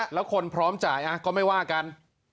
แล้วคนพร้อมจ่ายก็ไม่ว่ากัน